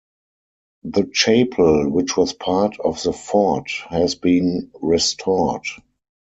The chapel which was part of the fort has been restored.